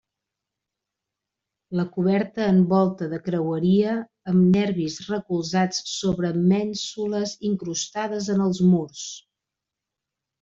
La coberta en volta de creueria amb nervis recolzats sobre mènsules incrustades en els murs.